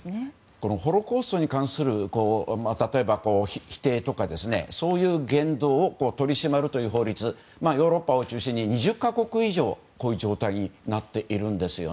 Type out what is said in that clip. このホロコーストに関する否定とかそういう言動を取り締まるという法律はヨーロッパを中心に２０か国以上でこういう状態になっているんです。